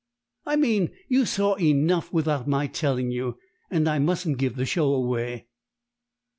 "I mean, you saw enough without my telling you; and I mustn't give the show away."